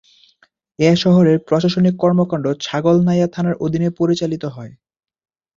এছাড়া এ শহরের প্রশাসনিক কর্মকাণ্ড ছাগলনাইয়া থানার অধীনে পরিচালিত।